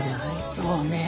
そうね。